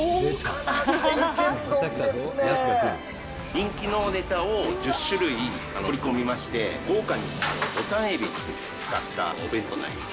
わー、人気のネタを１０種類盛り込みまして、豪華にボタンエビを使ったお弁当になります。